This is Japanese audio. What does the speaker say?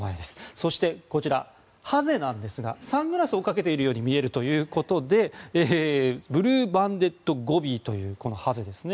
そして、こちらハゼなんですがサングラスをかけているように見えるということでブルーバンデッドゴビーというこのハゼですね。